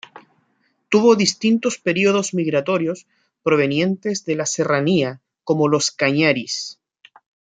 Tuvo distintos períodos migratorios provenientes de la serranía como los Cañaris.